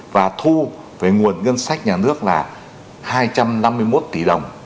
và thu về nguồn ngân sách nhà nước là hai trăm năm mươi một tỷ đồng